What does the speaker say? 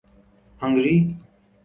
Hungary